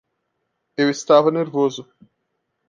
Eu estava nervoso.